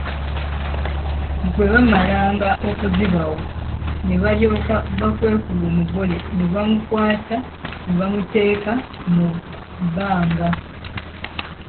Bwe baamalanga okuzibawa ne balyoka bakwekula omugole ne bamukwata ne bamuteeka mu bbanga.